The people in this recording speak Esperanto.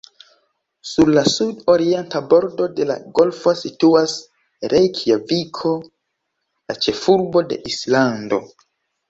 Sur la sud-orienta bordo de la golfo situas Rejkjaviko, la ĉefurbo de Islando.